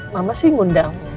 mama sih ngundang